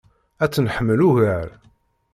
Ad tt-nḥemmel ugar.